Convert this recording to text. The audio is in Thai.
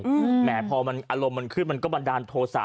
อืมแหมพอมันอารมณ์มันขึ้นมันก็มาดันโทสะ